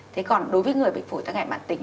thế còn đối với người bệnh phối tăng hẹn bản tính